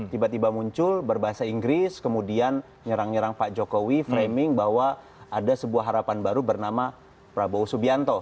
tiba tiba muncul berbahasa inggris kemudian nyerang nyerang pak jokowi framing bahwa ada sebuah harapan baru bernama prabowo subianto